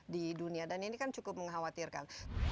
di dunia dan ini kan cukup mengkhawatirkan